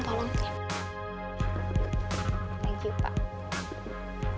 thank you pak